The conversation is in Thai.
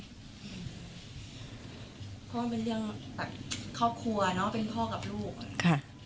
เพราะว่าเป็นเรื่องแบบครอบครัวเนอะเป็นพ่อกับลูกอ่ะค่ะ